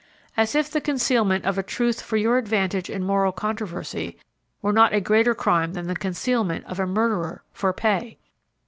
As if the concealment of a truth for your advantage in moral controversy were not a greater crime than the concealment of a murderer for pay!